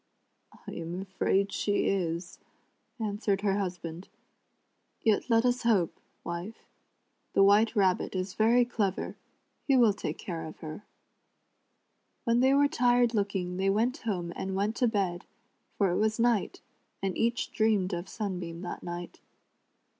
" I am afraid she is," answered her husband ;" yet let us hope, wife. The White Rabbit is very clever; he will take care of her." When they were tired looking they went home and went to bed, for it was night, and each dreamed of Sunbeam that night.